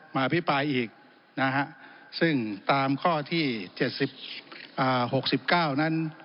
มาอภิปรายอีกซึ่งตามข้อที่๖๙นั้น